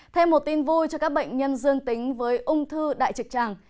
thêm một tin vui cho các bệnh nhân dương tính với ung thư đại trực tràng